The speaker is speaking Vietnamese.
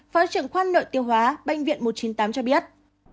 và trưởng khoan nội tiêu hóa bệnh viện một trăm chín mươi tám cho biết